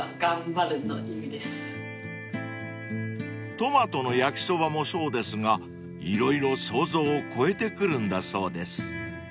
［トマトの焼きそばもそうですが色々想像を超えてくるんだそうです］